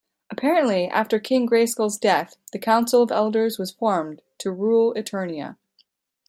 Apparently, after King Grayskulls' death, the Council of Elders was formed to rule Eternia.